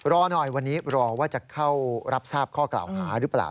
รอหน่อยวันนี้รอว่าจะเข้ารับทราบข้อกล่าวหาหรือเปล่า